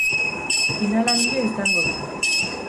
Final handia izango da.